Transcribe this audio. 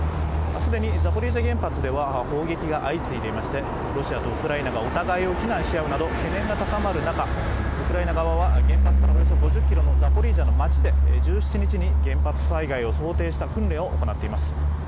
既にザポリージャ原発では砲撃が相次いでいまして、ロシアとウクライナがお互いを非難し合うなど懸念が高まる中、ウクライナ側は原発からおよそ５０ｋｍのザポリージャの街で１７日に原発災害を想定した訓練を行っています。